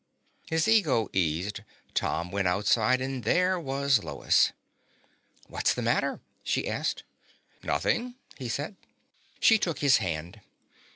His ego eased, Tom went outside and there was Lois. "What's the matter?" she asked. "Nothing," he said. She took his hand.